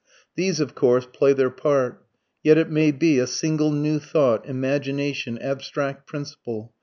These, of course, play their part; yet, it may be, a single new thought, imagination, abstract principle